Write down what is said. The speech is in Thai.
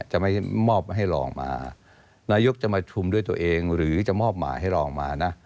จะไม่มอบให้รองมานายกจะมาชุมด้วยตัวเองหรือจะมอบหมายให้รองมานะ